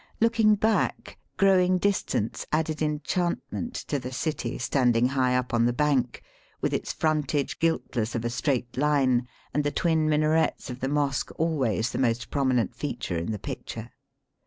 Looking back, growing distance added enchantment to the city standing high up on the bank, with its frontage guiltless of a straight line, and the twin minarets of the mosque always the most prominent feature in the picture.